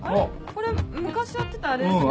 これ昔やってたあれですよね？